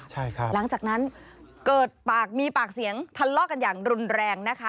ใช่ครับหลังจากนั้นเกิดปากมีปากเสียงทะเลาะกันอย่างรุนแรงนะคะ